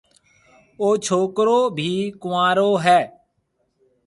او ڇوڪرو ڀِي ڪنوارو هيَ۔